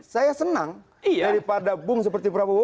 saya senang daripada bung seperti prabowo